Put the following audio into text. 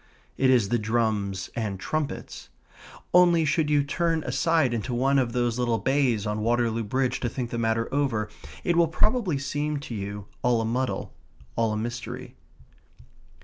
It is the drums and trumpets. Only, should you turn aside into one of those little bays on Waterloo Bridge to think the matter over, it will probably seem to you all a muddle all a mystery.